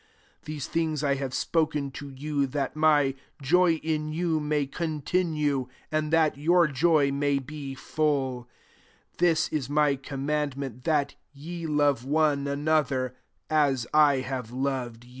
11 These things I have spoken to you, that my joy in you may continue, and t/tat your joy may be fulL 12 This is my com mandment; that ye love one another, as I have loved you.